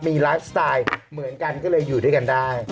มีไลฟ์สไตล์เหมือนกันก็เลยอยู่ด้วยกันได้